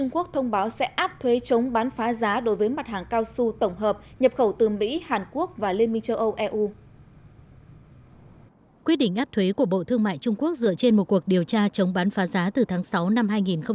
quyết định áp thuế của bộ thương mại trung quốc dựa trên một cuộc điều tra chống bán phá giá từ tháng sáu năm hai nghìn hai mươi